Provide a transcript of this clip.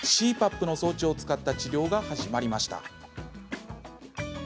ＣＰＡＰの装置を使った治療が始まりました。